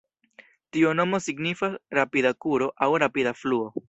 Tiu nomo signifas "rapida kuro" aŭ "rapida fluo".